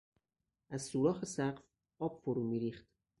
از سوراخ سقف آب فرو میریخت.